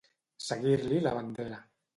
Seguir-li la bandera.